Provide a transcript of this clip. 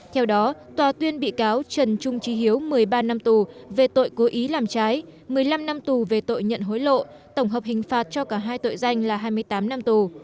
theo đó tòa tuyên bị cáo trần trung trí hiếu một mươi ba năm tù về tội cố ý làm trái một mươi năm năm tù về tội nhận hối lộ tổng hợp hình phạt cho cả hai tội danh là hai mươi tám năm tù